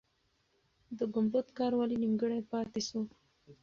د ګمبد کار ولې نیمګړی پاتې سو؟